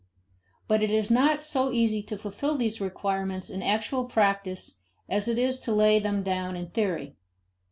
But it is not so easy to fulfill these requirements in actual practice as it is to lay them down in theory.